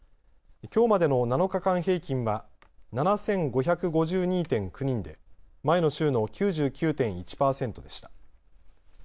きょうまでの７日間平均は７５５２．９人で前の週の９９．１％でした。